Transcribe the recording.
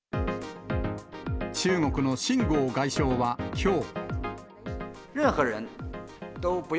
中国の秦剛外相はきょう。